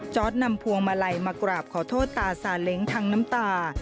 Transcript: นำพวงมาลัยมากราบขอโทษตาซาเล้งทั้งน้ำตา